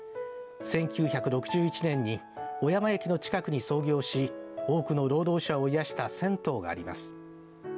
１９６１年に小山駅の近くに創業し多くの労働者を癒やした銭湯があります。